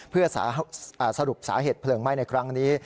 เพื่อสรุปสาเหตุเพลิงไหม้ในครั้งนี้